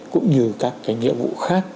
cũng như các cái nhiệm vụ khác